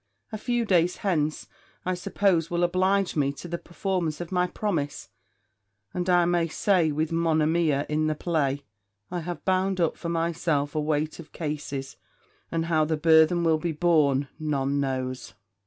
A few days hence, I suppose, will oblige me to the performance of my promise; and I may say, with Monimia in the play "I have bound up for myself a weight of cares; And how the burden will be borne, none knows."